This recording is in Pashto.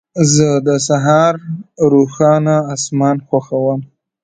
زه د سهار روښانه اسمان خوښوم.